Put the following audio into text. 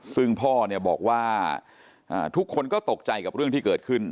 ซึ่งพ่อเนี่ยบอกว่าทุกคนก็ตกใจกับเรื่องที่เกิดขึ้น